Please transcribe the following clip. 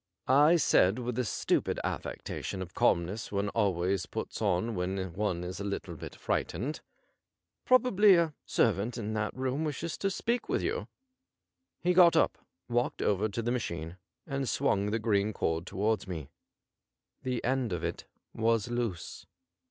I said with the stupid affectation of calmness one always puts on when one is a little bit frightened :' Probably a servant in that room wishes to speak to you.' He got up^ walked over to the machine, and swung the green cord towards me. The end of it was loose.